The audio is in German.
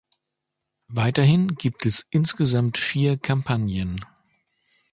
Weiterhin gibt es insgesamt vier Kampagnen.